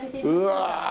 うわ！